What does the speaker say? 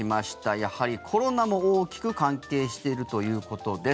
やはりコロナも大きく関係しているということです。